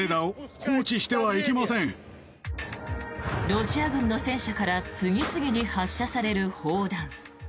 ロシア軍の戦車から次々に発射される砲弾。